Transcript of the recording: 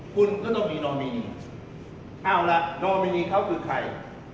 คุณก็ต้องมีนอมินีเอาล่ะนอมินีเขาคือใคร